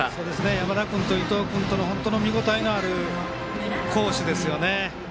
山田君と伊藤君の見応えのある好守ですね。